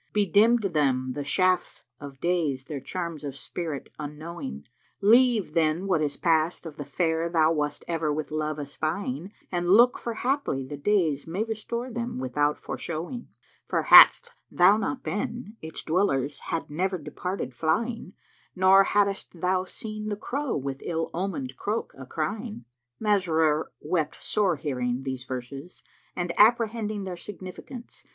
* Bedimmed them the Shafts of Days their charms of spirit unknowing: Leave then what is past of the Fair thou wast ever with love espying * And look; for haply the days may restore them without foreshowing: For hadst thou not been, its dwellers had never departed flying * Nor haddest thou seen the Crow with ill omened croak a crying." Masrur wept sore hearing these verses and apprehending their significance.